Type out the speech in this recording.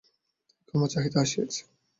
তাই ক্ষমা চাহিতে আসিয়াছে।